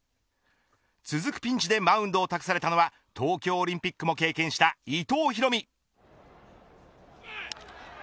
続くピンチでマウンドを託されたのは東京オリンピックも経験した伊藤大海。